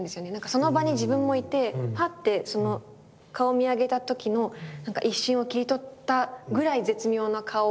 その場に自分もいてハッて顔を見上げた時の一瞬を切り取ったぐらい絶妙な顔を男の人がしていて。